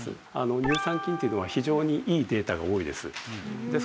乳酸菌というのは非常にいいデータが多いです。